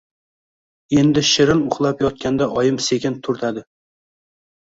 Endi shirin uxlab yotganda oyim sekin turtadi.